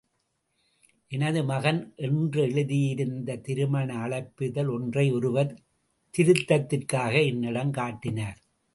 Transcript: எனது மகன் என்றெழுதியிருந்த திருமண அழைப்பிதழ் ஒன்றை ஒருவர், திருத்தத்திற்காக என்னிடம் காட்டினர்.